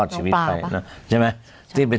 ใช่มั้ย